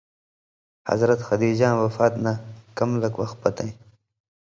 حضرت خدیجاں وفات نہ کم لک وخ پتَیں